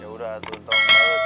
ya udah tutup balut